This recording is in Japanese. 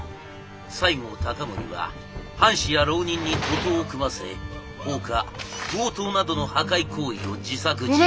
西郷隆盛は藩士や浪人に徒党を組ませ放火強盗などの破壊行為を自作自演。